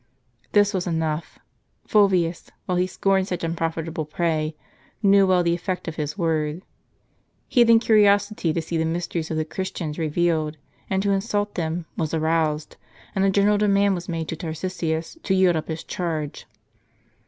* This was enough. Fulvius, while he scorned such unprofit able prey, knew well the effect of his word. Heathen curiosity, to see the mysteries of the Christians revealed, and to insult them, was aroused, and a general demand was made to Tar cisius, to yield up his charge.